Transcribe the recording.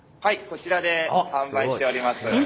こちらで販売しております。